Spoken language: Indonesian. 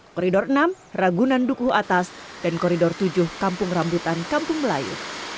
koridor enam ragunan duku atas dan koridor tujuh kampung rambutan kampung melayu